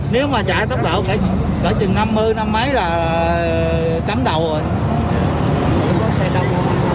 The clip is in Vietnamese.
nếu mà chạy tốc độ kể chừng năm mươi năm mấy là tắm đầu rồi